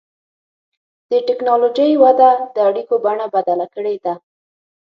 د ټکنالوجۍ وده د اړیکو بڼه بدله کړې ده.